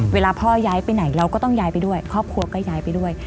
เวลาพ่อย้ายไปไหนเราก็ต้องย้ายไปด้วยครอบครัวก็ย้ายไปด้วย